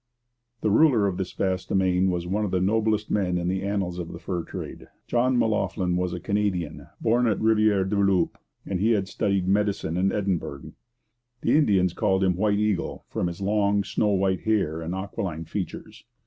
The ruler of this vast domain was one of the noblest men in the annals of the fur trade. John M'Loughlin was a Canadian, born at Rivière du Loup, and he had studied medicine in Edinburgh. The Indians called him 'White Eagle,' from his long, snow white hair and aquiline features.